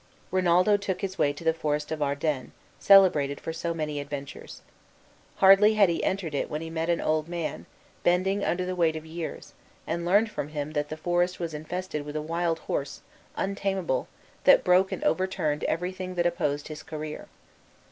Rinaldo took his way to the forest of Arden, celebrated for so many adventures. Hardly had he entered it when he met an old man, bending under the weight of years, and learned from him that the forest was infested with a wild horse, untamable, that broke and overturned everything that opposed his career.